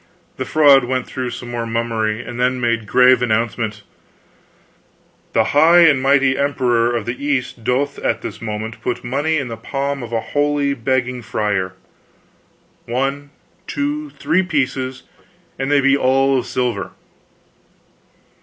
The fraud went through some more mummery, and then made grave announcement: "The high and mighty Emperor of the East doth at this moment put money in the palm of a holy begging friar one, two, three pieces, and they be all of silver."